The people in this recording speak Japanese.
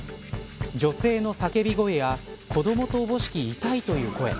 女性の叫び声や子どもとおぼしき痛いという声。